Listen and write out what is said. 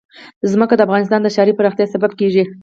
ځمکه د افغانستان د ښاري پراختیا سبب کېږي.